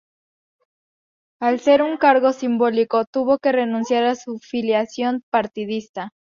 Al ser un cargo simbólico, tuvo que renunciar a su filiación partidista.